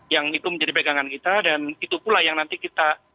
yang itu menjadi pegangan kita dan itu pula yang nanti kita